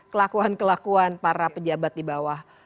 kelakuan kelakuan para pejabat di bawah